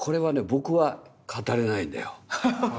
僕は語れないんだよ。